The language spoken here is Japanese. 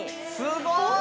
すごい！